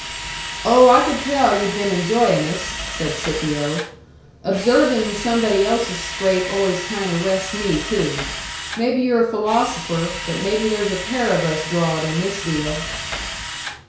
"Oh, I could tell yu'd been enjoyin' us!" said Scipio. "Observin' somebody else's scrape always kind o' rests me too. Maybe you're a philosopher, but maybe there's a pair of us drawd in this deal."